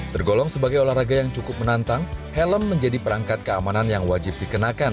tergolong sebagai olahraga yang cukup menantang helm menjadi perangkat keamanan yang wajib dikenakan